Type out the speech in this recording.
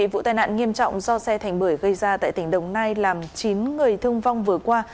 vụ tai nạn nghiêm trọng do xe thành bưởi gây ra tại tỉnh đồng nai làm chín người thương vong vừa qua